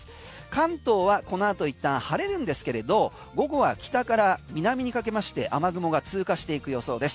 関東はこのあといったん晴れるんですけれど午後は北から南にかけまして雨雲が通過していく予想です。